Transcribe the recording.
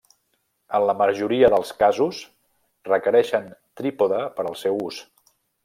En la majoria dels casos requereixen trípode per al seu ús.